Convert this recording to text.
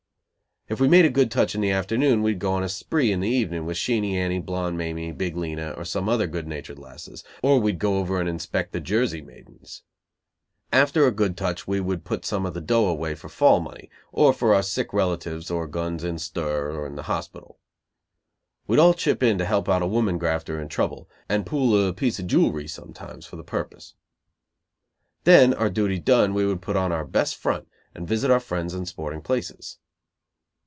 If we made a good touch in the afternoon we'd go on a spree in the evening with Sheenie Annie, Blonde Mamie, Big Lena or some other good natured lasses, or we'd go over and inspect the Jersey maidens. After a good touch we would put some of the dough away for fall money, or for our sick relatives or guns in stir or in the hospital. We'd all chip in to help out a woman grafter in trouble, and pool a piece of jewelry sometimes, for the purpose. Then, our duty done, we would put on our best front, and visit our friends and sporting places.